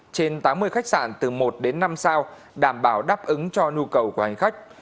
trên tám mươi khách sạn từ một đến năm sao đảm bảo đáp ứng cho nhu cầu của hành khách